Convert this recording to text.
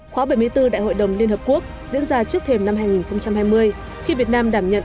khóa bảy mươi bốn đại hội đồng liên hợp quốc diễn ra trước thềm năm hai nghìn hai mươi khi việt nam đảm nhận